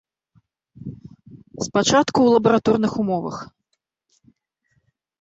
Спачатку ў лабараторных умовах.